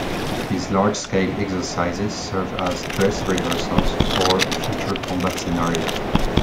These large-scale exercises serve as "dress rehearsals" for future combat scenarios.